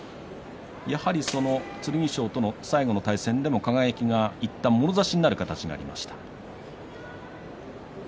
やはり剣翔との最後の対戦でも輝がいったんもろ差しになる形になりました。